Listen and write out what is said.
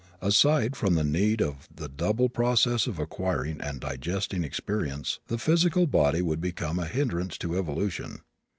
Aside from the need of the double process of acquiring and digesting experience the physical body would become a hindrance to evolution.